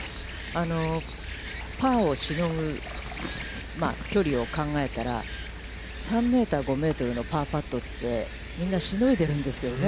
パーをしのぐ距離を考えたら、３メートル、５メートルのパーパットって、みんな、しのいでるんですよね。